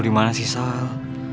lu dimana sih sal